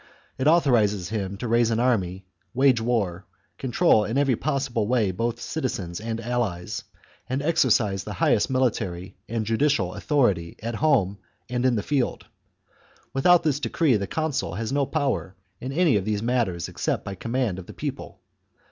It authorises him to chap. raise an army, wage war, control in every possible way both citizens and allies, and exercise thehighest military and judicial authority at home and in the field. Without this decree the consul has no powers in any of these matters except by command of the people.